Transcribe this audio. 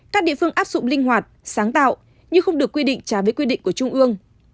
các địa phương áp dụng linh hoạt sáng tạo nhưng không được quy định trái với quy định của trung ương